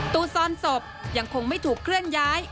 ซ่อนศพยังคงไม่ถูกเคลื่อนย้าย